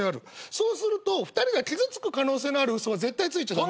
そうすると２人が傷つく可能性のある嘘は絶対ついちゃ駄目。